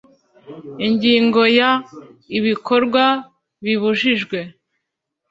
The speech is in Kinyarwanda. Ingingo ya ibikorwa bibujijwe